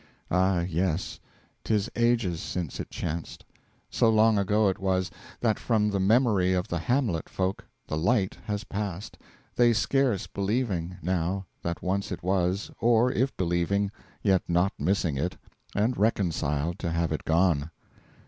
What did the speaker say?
Ah yes! 'Tis ages since it chanced! So long ago it was, That from the memory of the hamlet folk the Light has passed They scarce believing, now, that once it was, Or if believing, yet not missing it, And reconciled to have it gone.